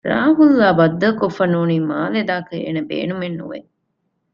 ރާހުލްއާ ބައްދަލުކޮށްފައި ނޫނީ މާލެ ދާކަށް އޭނާ ބޭނުމެއް ނުވެ